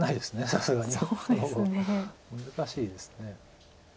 さすがにこの碁は難しいです。